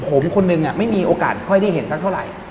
ผมคนนึงไม่มีโอกาสค่อยได้เห็นสักเท่าไหร่